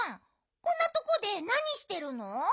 こんなとこでなにしてるの？